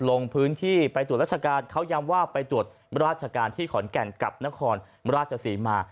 ลงพื้นที่ไปตรวจราชการเขาย้ำว่าไปตรวจราชการที่ขอนแก่นกับนครราชศรีมา